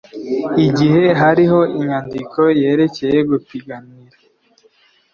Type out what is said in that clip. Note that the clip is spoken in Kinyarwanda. igihe hariho inyandiko yerekeye gupiganira